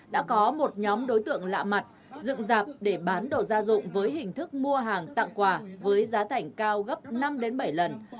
đã có một nhóm đối tượng lạ mặt dựng dạp để bán đồ gia dụng với hình thức mua hàng tặng quà với giá thảnh cao gấp năm bảy lần